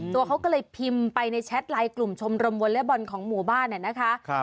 ตัวเขาก็เลยพิมพ์ไปในแชทไลน์กลุ่มชมรมวอเล็กบอลของหมู่บ้านเนี่ยนะคะ